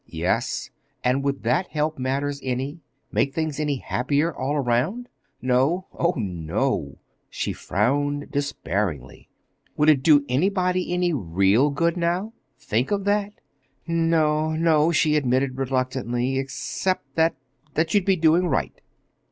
"Yes. And would that help matters any—make things any happier, all around?" "No—oh, no," she frowned despairingly. "Would it do anybody any real good, now? Think of that." "N no," she admitted reluctantly, "except that—that you'd be doing right."